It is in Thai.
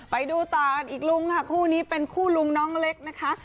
ไปดูต่อกันอีกลุงค่ะคู่นี้เป็นคู่ลุงน้องเล็กนะคะ